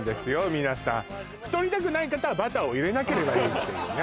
皆さん太りたくない方はバターを入れなければいいっていうね